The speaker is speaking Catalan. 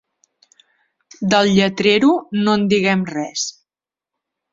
Del lletrero no en diguem res.